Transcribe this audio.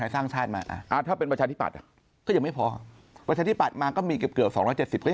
อย่างไรเขาก็ต้องกลับมาอยู่ดี